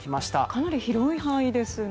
かなり広い範囲ですね。